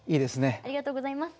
ありがとうございます。